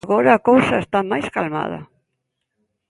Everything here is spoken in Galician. Agora a cousa está máis calmada.